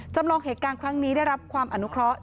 จำลองเหตุการณ์ครั้งนี้ได้รับความอนุเคราะห